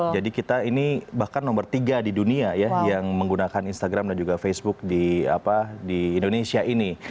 jadi kita ini bahkan nomor tiga di dunia ya yang menggunakan instagram dan juga facebook di indonesia ini